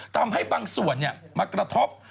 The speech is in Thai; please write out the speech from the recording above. ทำให้บางส่วนมากระทบ